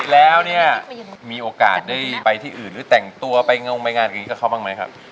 แล้วเนี่ยมีโอกาสได้ไปที่อื่นหรือแต่งตัวไปงงไปงานอย่างนี้กับเขาบ้างไหมครับ